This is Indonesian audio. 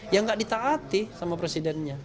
ya nggak ditaati sama presidennya